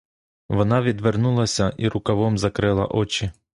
Вона відвернулася і рукавом закрила очі.